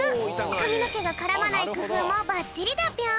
かみのけがからまないくふうもばっちりだぴょん。